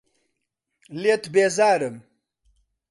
لێت بێزارم.